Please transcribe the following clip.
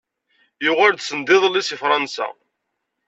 Yuɣal-d send iḍelli si Fransa.